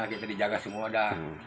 kita dijaga semuanya